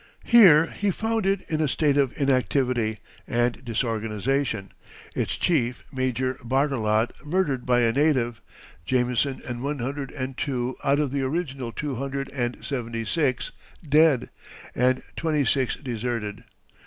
Here he found it in a state of inactivity and disorganization, its chief, Major Barttelot, murdered by a native, Jameson and one hundred and two out of the original two hundred and seventy six dead, and twenty six deserted.